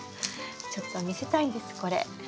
ちょっと見せたいんですこれ。